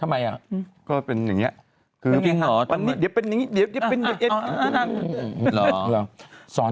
เหมือนคุณ